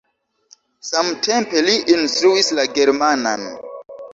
Samtempe li instruis la germanan.